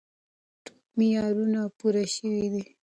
ټول معیارونه پوره شوي دي.